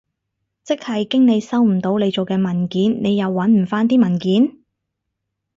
即係經理收唔到你做嘅文件，你又搵唔返啲文件？